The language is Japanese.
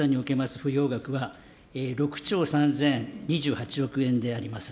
不用額は、６兆３０２８億円であります。